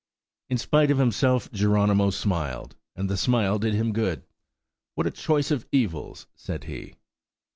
In spite of himself Geronimo smiled, and the smile did him good. "What a choice of evils!" said he.